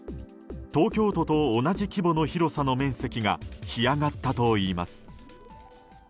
東京都と同じ規模の広さの面積が干上がったといいます。